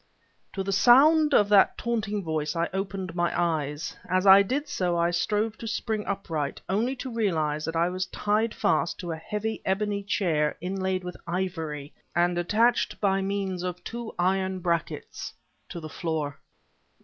To the sound of that taunting voice, I opened my eyes. As I did so I strove to spring upright only to realize that I was tied fast to a heavy ebony chair inlaid with ivory, and attached by means of two iron brackets to the floor.